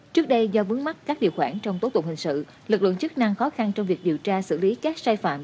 trước đây do vướng mắt các điều khoản trong tố tụng hình sự lực lượng chức năng khó khăn trong việc điều tra xử lý các sai phạm